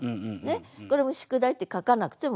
これも「宿題」って書かなくても分かる。